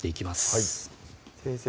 はい先生